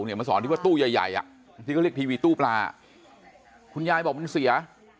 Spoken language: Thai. เนี่ยมาสอนดูว่าตู้ใหญ่อ่ะที่ก็เรียกทีวีตู้ปลาคุณยายบอกมันเสีย